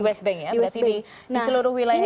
di west bank ya berarti di seluruh wilayah ini